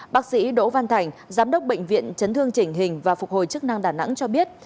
bác sĩ đỗ văn thành giám đốc bệnh viện chấn thương chỉnh hình và phục hồi chức năng đà nẵng cho biết